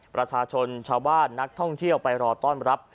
ประชาชนชาวบ้านนักท่องเที่ยวไปรอต้อนรับ